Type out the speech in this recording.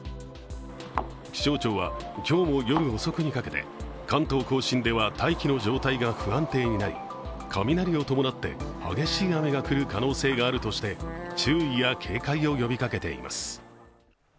気象庁は、今日も夜遅くにかけて関東甲信では大気の状態が不安定になり、雷をを伴って激しい雨が降る可能性があるとして注意や警戒を呼びかけています。